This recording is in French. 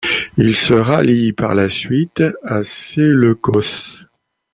Il se rallie par la suite à Séleucos.